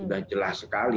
sudah jelas sekali